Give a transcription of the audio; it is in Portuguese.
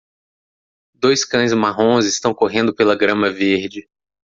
Dois cães marrons estão correndo pela grama verde.